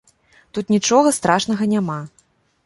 Тут нічога страшнага няма.